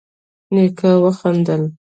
نيکه وخندل: